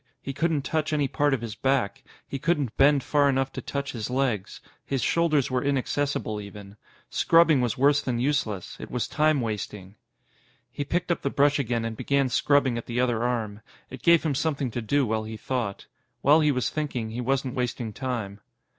He couldn't touch any part of his back; he couldn't bend far enough to touch his legs. His shoulders were inaccessible, even. Scrubbing was worse than useless it was time wasting. He picked up the brush again and began scrubbing at the other arm. It gave him something to do while he thought. While he was thinking, he wasn't wasting time.